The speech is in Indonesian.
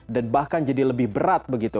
dan bahkan jadi lebih berat begitu